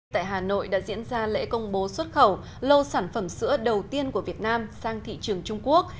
tại hà nội đã diễn ra lễ công bố xuất khẩu lô sản phẩm sữa đầu tiên của việt nam sang thị trường trung quốc